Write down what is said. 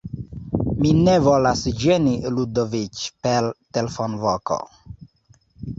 Mi ne volas ĝeni Ludoviĉ per telefonvoko.